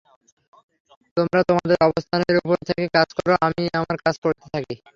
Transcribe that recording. তোমরা তোমাদের অবস্থানের উপর থেকে কাজ কর, আমি আমার কাজ করতে থাকি।